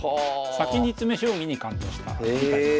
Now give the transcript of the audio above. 先に詰将棋に感動したみたいですよ。